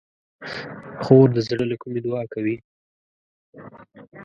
خور د زړه له کومي دعا کوي.